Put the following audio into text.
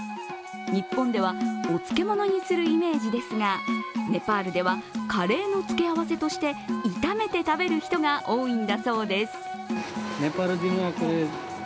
日本ではお漬物にするイメージですがネパールではカレーの付け合わせとして、炒めて食べる人が多いんだそうです。